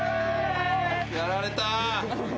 やられた！